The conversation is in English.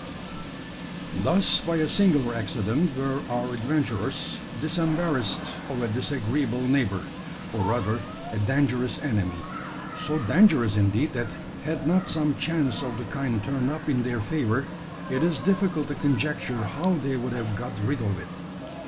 Thus by a singular accident were our adventurers disembarrassed of a disagreeable neighbour or rather, a dangerous enemy so dangerous, indeed, that had not some chance of the kind turned up in their favour, it is difficult to conjecture how they would have got rid of it.